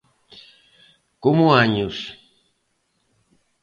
Como años.